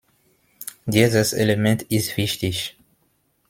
Dieses Element ist wichtig.